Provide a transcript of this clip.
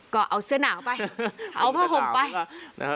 ก็เอาเสื้อหนาวไปเอาผ้าผมไป